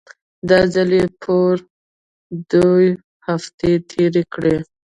دا ځل يې پوره دوې هفتې تېرې کړې.